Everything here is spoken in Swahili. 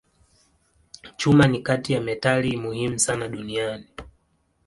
Chuma ni kati ya metali muhimu sana duniani.